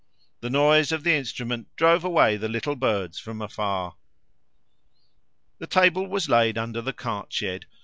The noise of the instrument drove away the little birds from afar. The table was laid under the cart shed.